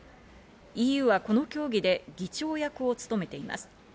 ＥＵはこの協議で議長役を務めています。